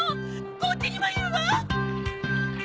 こっちにもいるわ！